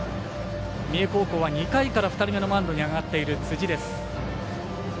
三重高校は２回から２人目がマウンドに上がっている辻です。